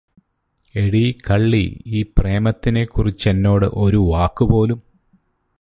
എടീ കള്ളീ ഈ പ്രേമത്തിനെ കുറിച്ചെന്നോട് ഒരു വാക്കുപോലും